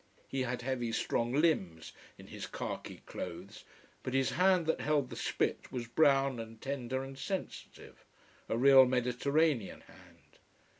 He had heavy, strong limbs in his khaki clothes, but his hand that held the spit was brown and tender and sensitive, a real Mediterranean hand.